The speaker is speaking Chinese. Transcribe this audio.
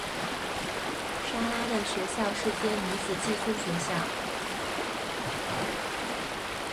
莎拉的学校是间女子寄宿学校。